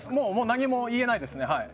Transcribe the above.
何も言えないですね。